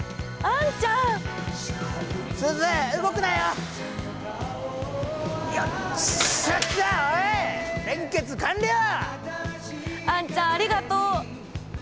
あんちゃんありがとう！